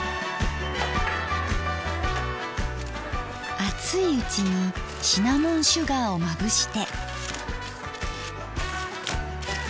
熱いうちにシナモンシュガーをまぶして。